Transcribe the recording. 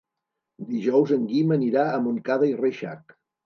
Dijous en Guim anirà a Montcada i Reixac.